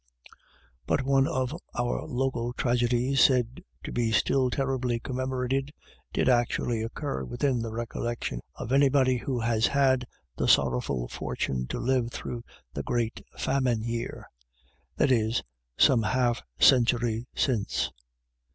But one of our local tragedies, said to be still terribly commemorated, did actually occur within the recollection of anybody who has had the sorrowful fortune to live through the great Famine year ; that is, some half century since.